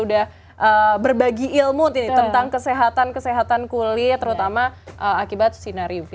sudah berbagi ilmu tentang kesehatan kesehatan kulit terutama akibat sinar uv